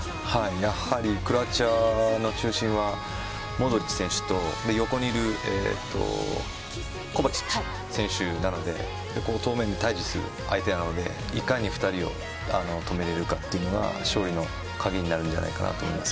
やはりクロアチアの中心はモドリッチ選手と横にいるコヴァチッチ選手なので対峙する相手なのでいかに２人を止めれるかというのが勝利の鍵になるんじゃないかと思います。